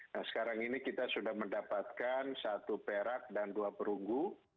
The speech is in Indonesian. nah sekarang ini kita sudah mendapatkan satu perak dan dua perunggu